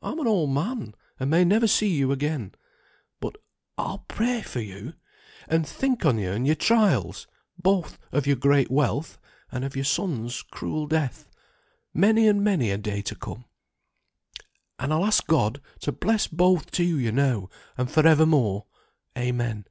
I'm an old man, and may never see you again; but I'll pray for you, and think on you and your trials, both of your great wealth, and of your son's cruel death, many and many a day to come; and I'll ask God to bless both to you now and for evermore. Amen.